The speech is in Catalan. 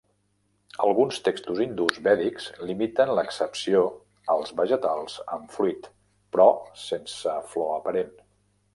Alguns textos hindús vèdics limiten l'accepció als vegetals amb fruit però sense flor aparent.